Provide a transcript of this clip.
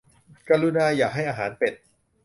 กรุณาอย่าให้อาหารเป็ด